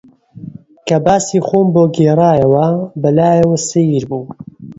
کە باسی خۆم بۆ گێڕایەوە، بە لایەوە سەیر بوو